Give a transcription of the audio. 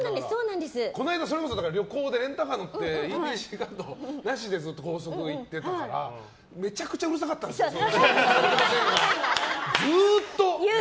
この間、旅行でレンタカー乗ってＥＴＣカードなしでずっと高速行ってたらめちゃくちゃうるさかったんですよ、ずっと。